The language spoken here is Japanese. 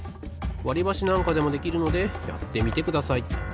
わりばしなんかでもできるのでやってみてください。